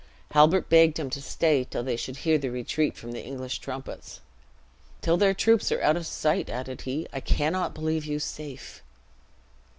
Halbert begged him to stay till they should hear the retreat from the English trumpets. "Till their troops are out of sight," added he, "I cannot believe you safe."